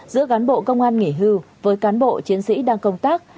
giữa cán bộ công an nghỉ hưu với cán bộ chiến sĩ đang công tác